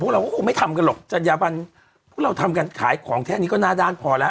เราก็คงไม่ทำกันหรอกจัญญาบันพวกเราทำกันขายของแค่นี้ก็หน้าด้านพอแล้ว